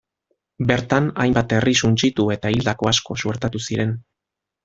Bertan hainbat herri suntsitu eta hildako asko suertatu ziren.